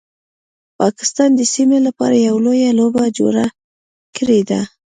پاکستان د سیمې لپاره یو لویه لوبه جوړه کړیده